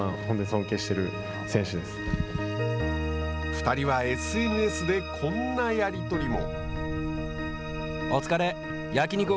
２人はＳＮＳでこんなやり取りも。